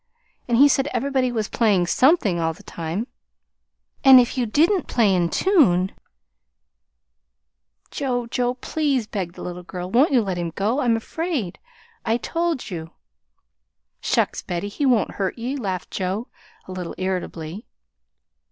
And he said everybody was playing SOMETHING all the time; and if you didn't play in tune " "Joe, Joe, please," begged the little girl "Won't you let him go? I'm afraid. I told you " "Shucks, Betty! He won't hurt ye," laughed Joe, a little irritably.